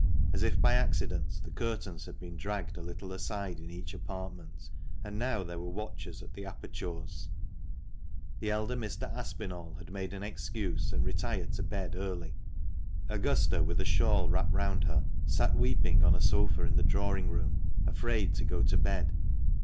As if by accident the curtains had been dragged a little aside in each apartment, and now there were watchers at the apertures. The elder Mr. Aspinall had made an excuse and retired to bed early. Augusta, with a shawl wrapped round her, sat weeping on a sofa in the drawing room, afraid to go to bed.